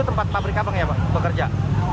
itu tempat pabrik apa yang bekerja